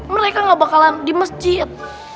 mereka gak bakalan di masjid